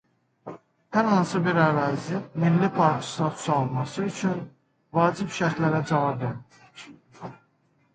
Hər hansı bir ərazi milli park statusu alması üçün vacib şərtlərə cavab verməlidir.